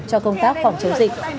cho công tác phòng chống dịch